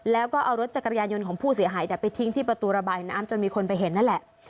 แล้วก็เอารถจักรยานยนต์ของผู้เสียหายไปทิ้งที่ประตูระบายน้ำจนมีคนไปเห็นนั่นแหละ